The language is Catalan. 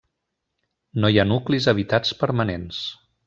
No hi ha nuclis habitats permanents.